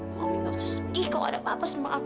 mami harus pergi kalau ada apa apa sama aku